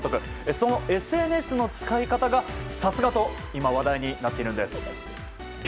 そのＳＮＳの使い方がさすがと今、話題になっているんです。